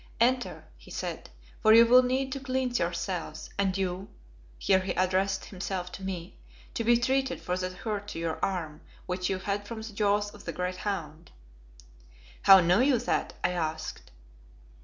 "Enter," he said, "for you will need to cleanse yourselves, and you" here he addressed himself to me "to be treated for that hurt to your arm which you had from the jaws of the great hound." "How know you that?" I asked.